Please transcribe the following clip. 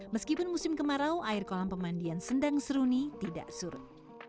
meskipun musim kemarau air kolam pemandian sendang seruni tidak surut